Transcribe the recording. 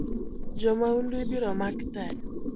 Jo maundu ibiro mak tee